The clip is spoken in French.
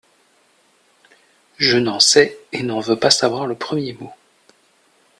Je n’en sais et n’en veux pas savoir le premier mot.